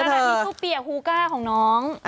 กระดาษนี้ทูเปียกฮูกก้าของน้อง